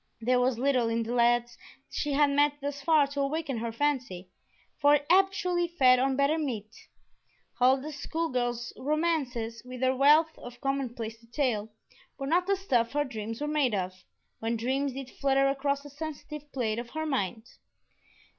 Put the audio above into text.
There was little in the lads she had met thus far to awaken her fancy, for it habitually fed on better meat. Huldah's school girl romances, with their wealth of commonplace detail, were not the stuff her dreams were made of, when dreams did flutter across the sensitive plate of her mind.